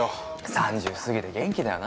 ３０すぎで元気だよな